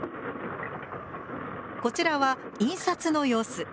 こちらは印刷の様子。